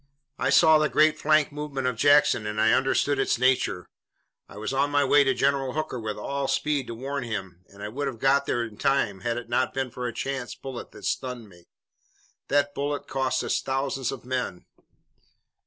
"I saw the great flank movement of Jackson and I understood its nature. I was on my way to General Hooker with all speed to warn him, and I would have got there in time had it not been for a chance bullet that stunned me. That bullet cost us thousands of men."